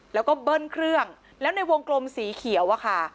แล้วก็เบิ้ลเครื่องแล้วในวงกลมสีเขียวอะค่ะ